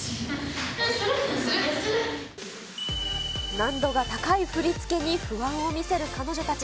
難度が高い振り付けに不安を見せる彼女たち。